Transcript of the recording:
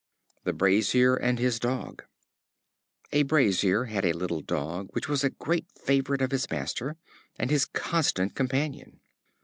The Brazier and His Dog. A Brazier had a little Dog, which was a great favorite with his master, and his constant companion.